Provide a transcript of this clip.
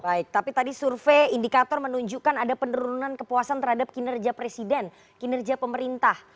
baik tapi tadi survei indikator menunjukkan ada penurunan kepuasan terhadap kinerja presiden kinerja pemerintah